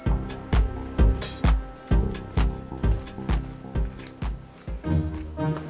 berarti makasih ya